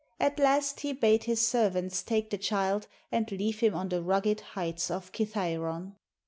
At last he bade his servants take the child and leave him on the rugged heights of Kithairon.